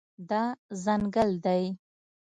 دا ځنګل دی